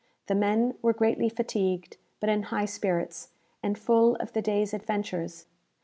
The men were greatly fatigued, but in high spirits, and full of the day's adventures.